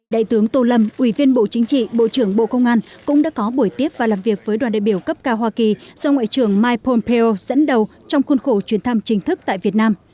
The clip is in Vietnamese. đại tướng tô lâm ủy viên bộ chính trị bộ trưởng bộ công an cũng đã có buổi tiếp và làm việc với đoàn đại biểu cấp cao hoa kỳ do ngoại trưởng mike pompeo dẫn đầu trong khuôn khổ chuyến thăm chính thức tại việt nam